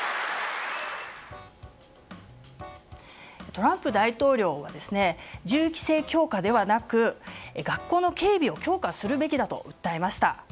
トランプ大統領は銃規制強化ではなく学校の警備を強化するべきだと訴えました。